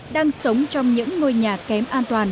đang sống trong những ngôi nhà kém an toàn